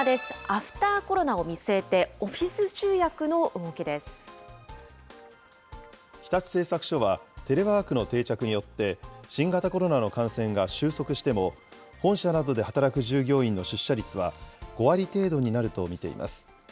アフターコロナを見据えて、オフ日立製作所はテレワークの定着によって、新型コロナの感染が終息しても、本社などで働く従業員の出社率は、５割程度になると見ています。